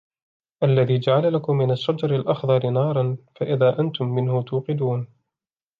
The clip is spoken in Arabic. الَّذِي جَعَلَ لَكُمْ مِنَ الشَّجَرِ الْأَخْضَرِ نَارًا فَإِذَا أَنْتُمْ مِنْهُ تُوقِدُونَ